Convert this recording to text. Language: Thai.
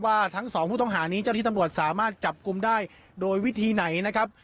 ว่าทั้งสองผู้ต้องหานี้เจ้าที่ตำรวจสามารถจับกลุ่มได้โดยวิธีไหนนะครับ